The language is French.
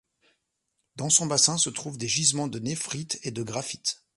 Dans son bassin se trouvent des gisements de néphrite et de graphite.